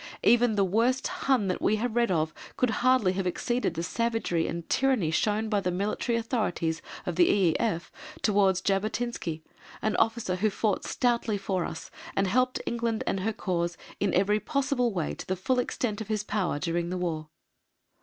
Even the worst Hun that we have read of could hardly have exceeded the savagery and tyranny shown by the Military Authorities of the E.E.F. towards Jabotinsky, an officer who fought stoutly for us and helped England and her cause in every possible way to the full extent of his power during the War.